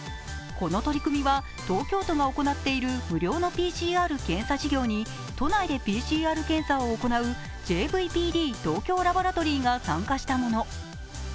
この取り組みは東京都が行っている無料のＰＣＲ検査事業に都内でＰＣＲ検査を行うＪ−ＶＰＤ東京ラボラトリーが参加したもの。